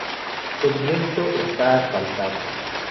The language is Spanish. El resto está asfaltado.